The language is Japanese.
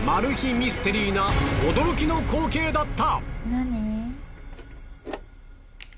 ミステリーな驚きの光景だった。